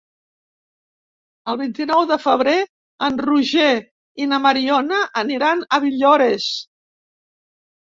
El vint-i-nou de febrer en Roger i na Mariona aniran a Villores.